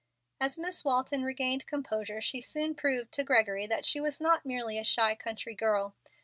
As Miss Walton regained composure, she soon proved to Gregory that she was not merely a shy country girl.